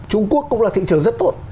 trung quốc cũng là thị trường rất tốt